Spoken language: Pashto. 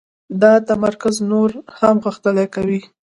دا تمرکز نور هم غښتلی کوي